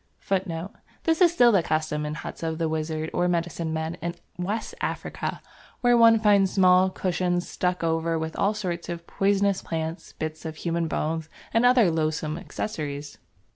This is still the custom in the huts of the wizard or medicine man in West Africa, where one finds small cushions stuck over with all sorts of poisonous plants, bits of human bones, and other loathsome accessories.